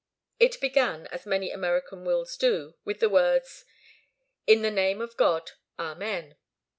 It began, as many American wills do, with the words, "In the name of God. Amen."